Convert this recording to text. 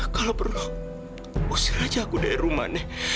kalau perlu usir aja aku dari rumah nih